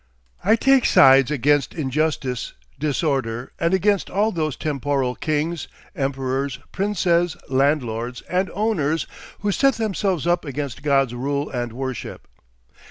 I take sides against injustice, disorder, and against all those temporal kings, emperors, princes, landlords, and owners, who set themselves up against God's rule and worship.